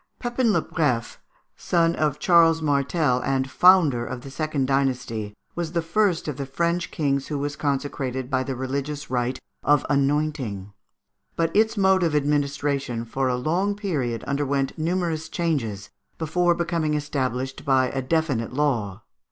Pépin le Bref, son of Charles Martel and founder of the second dynasty, was the first of the French kings who was consecrated by the religions rite of anointing. But its mode of administration for a long period underwent numerous changes, before becoming established by a definite law.